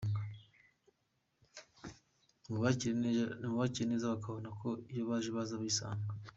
Mubakira neza bakabona ko iyo baje baza bisanga.